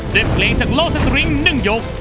เรียบเพลงจากโลกสตริง๑ยก